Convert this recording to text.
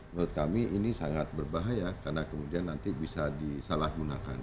menurut kami ini sangat berbahaya karena kemudian nanti bisa disalahgunakan